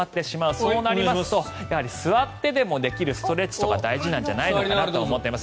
そうなりますとやはり座ってでもできるストレッチとか大事なんじゃないかなと思っております。